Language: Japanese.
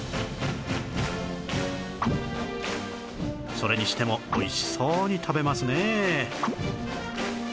それにしてもおいしそうに食べますね